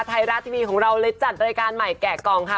ไทยรัฐทีวีของเราเลยจัดรายการใหม่แกะกล่องค่ะ